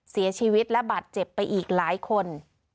เสียชีวิตและบาดเจ็บไปอีกหลายคน